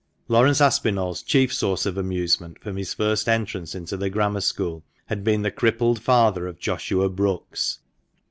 Laurence Aspinall's chief source of amusement from his first entrance into the Grammar School had been the crippled father of Joshua Brookes.